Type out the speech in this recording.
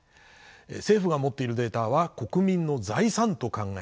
政府が持っているデータは国民の財産と考え